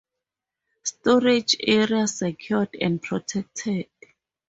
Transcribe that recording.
Storage area secured and protected.